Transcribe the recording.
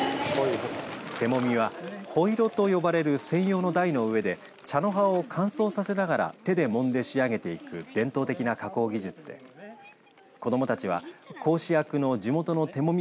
手もみはほい炉と呼ばれる専用の台の上で茶の葉を乾燥させながら手でもんで仕上げていく伝統的な加工技術で子どもたちは講師役の地元の手もみ